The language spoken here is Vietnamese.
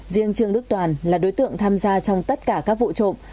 riêng trương đức toàn là đối tượng tham gia trong tất cả các vụ trộm